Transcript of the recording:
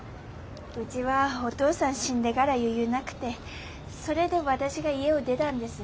うぢはお父さん死んでがら余裕なくてそれで私が家を出だんです。